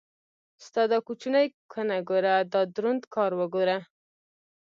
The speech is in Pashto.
ستا دا کوچنۍ کونه ګوره دا دروند کار وګوره.